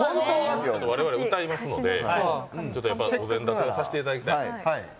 我々、歌いますので、お膳立てをさせていただきたい。